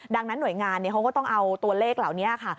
ดังนั้นหน่วยงานเขาก็ต้องเอาตัวเลขเหล่านี้ค่ะ